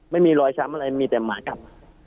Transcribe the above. ไม่มีรอยช้ำอะไรมีแต่หมากัด